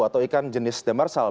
atau ikan jenis demersal